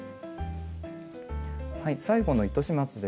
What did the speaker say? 最後の糸始末です。